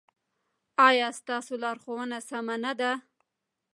ایا ستاسو لارښوونه سمه نه ده؟